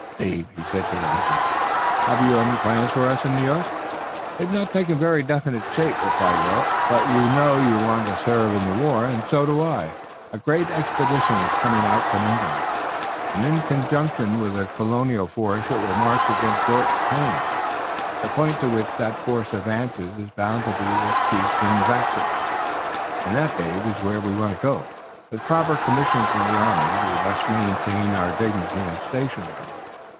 "Dave," he said to the hunter, "have you any plans for us in New York?" "They've not taken very definite shape," replied Willet, "but you know you want to serve in the war, and so do I. A great expedition is coming out from England, and in conjunction with a Colonial force it will march against Fort Duquesne. The point to which that force advances is bound to be the chief scene of action." "And that, Dave, is where we want to go." "With proper commissions in the army. We must maintain our dignity and station, Robert."